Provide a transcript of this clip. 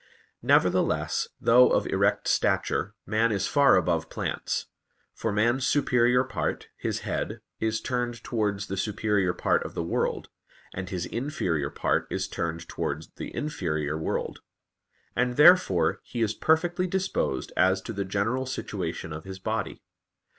Nevertheless, though of erect stature, man is far above plants. For man's superior part, his head, is turned towards the superior part of the world, and his inferior part is turned towards the inferior world; and therefore he is perfectly disposed as to the general situation of his body.